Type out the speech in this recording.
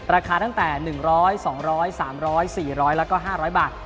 ราคาตั้งแต่๑๐๐บาท๒๐๐บาท๓๐๐บาท๔๐๐บาทแล้วก็๕๐๐บาท